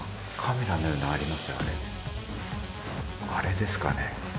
何かあれですかね？